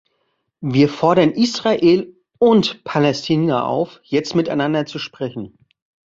Wir fordern Israel und Palästina auf, jetzt miteinander zu sprechen.